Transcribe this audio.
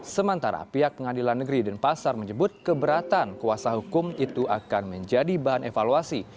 sementara pihak pengadilan negeri denpasar menyebut keberatan kuasa hukum itu akan menjadi bahan evaluasi